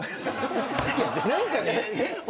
何かね